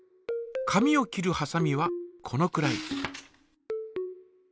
紙を切るはさみはこのくらい。